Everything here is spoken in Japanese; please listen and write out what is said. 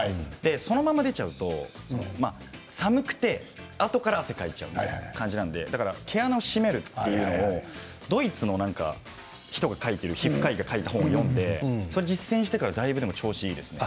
そのまま出ちゃうと寒くてあとから汗かいちゃうという感じなので毛穴を締めるというのをドイツの人が書いている皮膚科医が書いた本を読んで実践してからだいぶ調子がいいですね。